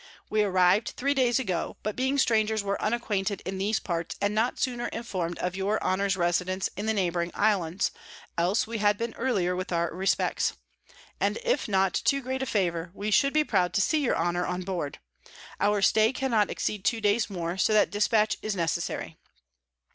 We arriv'd three days ago, but being Strangers were unacquainted in these parts, and not sooner inform'd of your Honour's Residence in the neighbouring Islands; else we had been earlier with our Respects: and if not too great a Favour, we should be proud to see your Honour on board. Our Stay cannot exceed two days more, so that Dispatch is necessary.